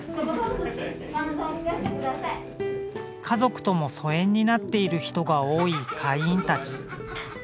家族とも疎遠になっている人が多い会員たち。